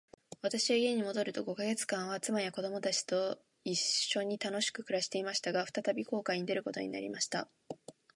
私は家に戻ると五ヵ月間は、妻や子供たちと一しょに楽しく暮していました。が、再び航海に出ることになりました。